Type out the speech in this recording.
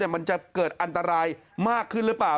มันจะเกิดอันตรายมากขึ้นหรือเปล่า